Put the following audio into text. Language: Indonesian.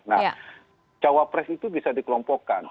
nah cawapres itu bisa dikelompokkan